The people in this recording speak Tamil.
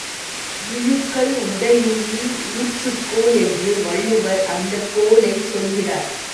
இழுக்கல் உடையுழி ஊற்றுக்கோல் என்று வள்ளுவர் அந்தக் கோலைச் சொல்கிறார்.